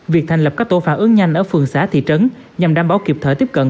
việc thành lập các tổ phản ứng nhanh ở phường xã thị trấn nhằm đảm bảo kịp thời tiếp cận